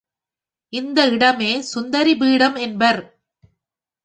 இந்த இடமே சுந்தரிபீடம் என்பர்.